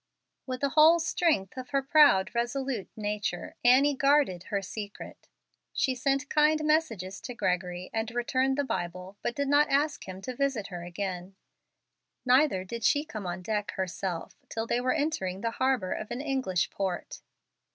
With the whole strength of her proud, resolute nature, Annie guarded her secret. She sent kind messages to Gregory, and returned the Bible, but did not ask him to visit her again. Neither did she come on deck herself till they were entering the harbor of an English port.